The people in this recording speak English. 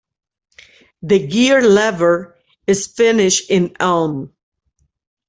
The gear lever is finished in elm.